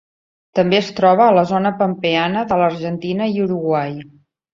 També es troba a la zona pampeana de l'Argentina i Uruguai.